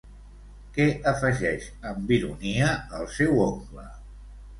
Què afegeix amb ironia el seu oncle?